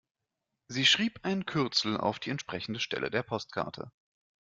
Sie schrieb ein Kürzel auf die entsprechende Stelle der Postkarte.